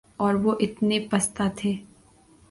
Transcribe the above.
اور وہ اتنے پستہ تھے